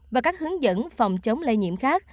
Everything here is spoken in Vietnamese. và các hướng dẫn phòng chống lây nhiễm khác